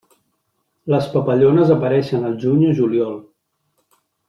Les papallones apareixen al juny o juliol.